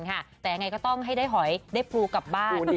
แต่ยังไงก็ต้องให้ได้หอยได้ปลูกกลับบ้าน